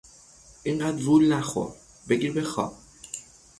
این قدر وول نخور، بگیر بخواب!